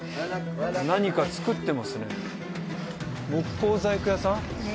何か作ってますね木工細工屋さん？